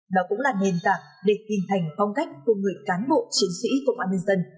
đó cũng là nền tảng để tìm thành phong cách của người cán bộ chiến sĩ công an nhân dân